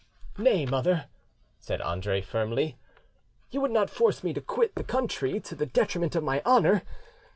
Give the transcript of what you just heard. "Nay, mother," said Andre firmly, "you would not force me to quit the country to the detriment of my honour.